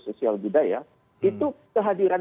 sosial budaya itu kehadiran